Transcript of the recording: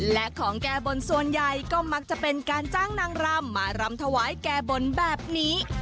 และของแก้บนส่วนใหญ่ก็มักจะเป็นการจ้างนางรำมารำถวายแก้บนแบบนี้